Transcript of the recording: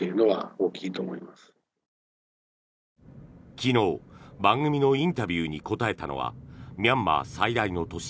昨日、番組のインタビューに答えたのはミャンマー最大の都市